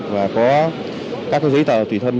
và có các cái giấy tờ tùy thân